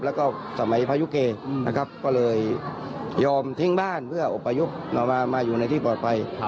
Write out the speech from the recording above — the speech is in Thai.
แล้วก็สมัยพายุเกนะครับก็เลยยอมทิ้งบ้านเพื่ออบพยพมาอยู่ในที่ปลอดภัย